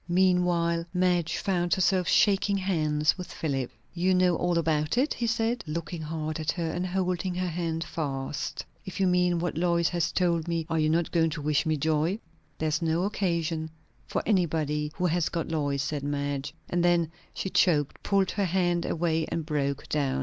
Meanwhile Madge found herself shaking hands with Philip. "You know all about it?" he said, looking hard at her, and holding her hand fast. "If you mean what Lois has told me " "Are not you going to wish me joy?" "There is no occasion for anybody who has got Lois," said Madge. And then she choked, pulled her hand away, and broke down.